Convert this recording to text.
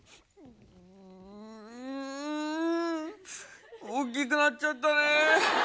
ん大きくなっちゃったね。